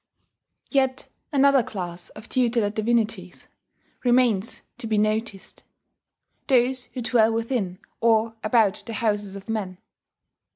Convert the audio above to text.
Yet another class of tutelar divinities remains to be noticed, those who dwell within or about the houses of men.